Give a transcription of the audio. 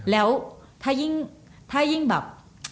แล้วถ้ายิ่งแบบ